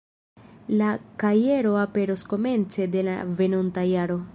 La kajero aperos komence de la venonta jaro.